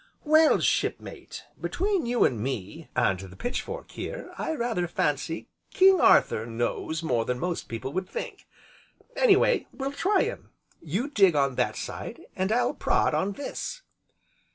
"Well, Shipmate, between you and me, and the pitch fork here, I rather fancy 'King Arthur' knows more than most people would think. Any way, we'll try him. You dig on that side, and I'll prod on this."